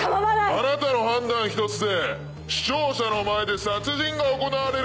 あなたの判断ひとつで視聴者の前で殺人が行われるんです。